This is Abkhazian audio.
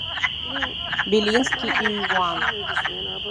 Белински иҩуан.